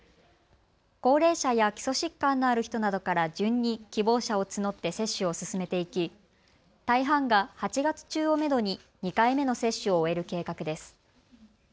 高齢者や基礎疾患のある人などから順に希望者を募って接種を進めていき大半が８月中をめどに２回目の接種を終える計画です。